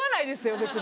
別に。